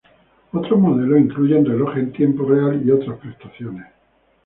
Otros modelos incluyen reloj en tiempo real y otras prestaciones.